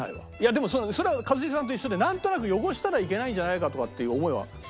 でもそれは一茂さんと一緒でなんとなく汚したらいけないんじゃないかとかっていう思いは同じ。